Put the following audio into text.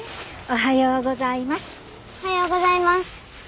おはようございます。